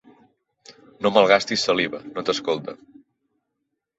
No malgastis saliva: no t'escolta.